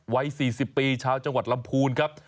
วัย๔๐ปีชาวจังหวัดลำพูนครับ